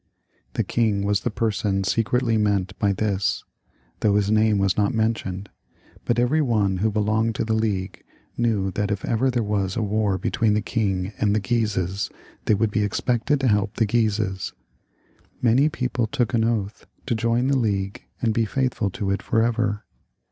The king was the person secretly meant by this, though his name was not mentioned, but every one who belonged to the League knew that if ever there was a war between the king and the Guises, they would be expected to help the Guises. Many people took an oath to join the League and be faithful to it for ever.